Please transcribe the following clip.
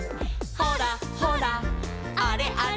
「ほらほらあれあれ」